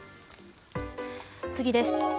次です。